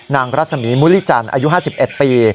รัศมีมุริจันทร์อายุ๕๑ปี